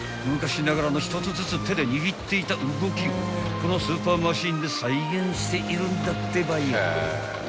［昔ながらの１つずつ手で握っていた動きをこのスーパーマシンで再現しているんだってばよ］